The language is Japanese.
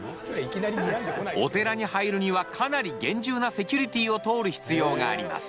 お寺に入るにはかなり厳重なセキュリティーを通る必要があります。